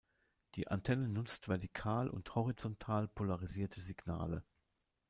Die Antenne nutzt vertikal und horizontal polarisierte Signale.